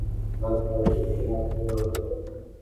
আমাকে মনে মনে পৃষ্ঠাটা ভাঁজ করার অনুমতি দেন।